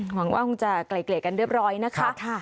หวังว่าคงจะไกลเกลี่ยกันเรียบร้อยนะคะ